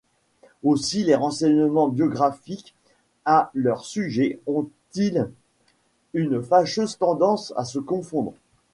Aussi les renseignements biographiques à leur sujet ont-ils une fâcheuse tendance à se confondre.